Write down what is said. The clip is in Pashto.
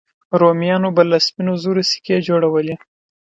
رومیانو به له سپینو زرو سکې جوړولې